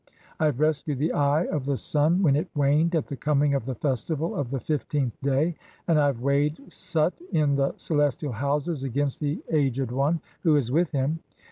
I have rescued the Eye [of the Sun] "when it waned at the coming of the festival of the fifteenth "day, (6) and I have weighed Sut in the celestial houses against "the Aged one who is with him.